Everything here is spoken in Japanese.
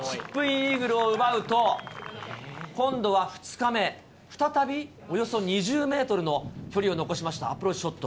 イーグルを奪うと、今度は２日目、再びおよそ２０メートルの距離を残しました、アプローチショット。